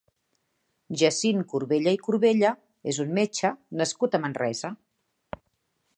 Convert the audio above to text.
Jacint Corbella i Corbella és un metge nascut a Manresa.